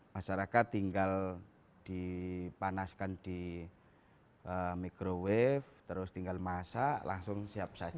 masyarakat tinggal dipanaskan di microwave terus tinggal masak langsung siap saja